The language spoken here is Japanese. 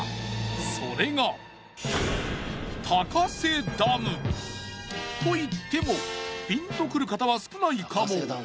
それがと言ってもピンとくる方は少ないかも。